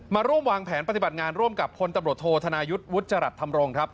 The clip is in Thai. มาร่วมวางแผนปฏิบัติงานร่วมกับคนตำรวจโทษธนายุทธ์วุจริตธรรมรงค์ครับ